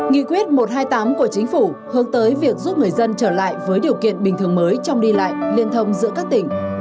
nghị quyết một trăm hai mươi tám của chính phủ hướng tới việc giúp người dân trở lại với điều kiện bình thường mới trong đi lại liên thông giữa các tỉnh